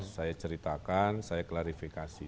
saya ceritakan saya klarifikasi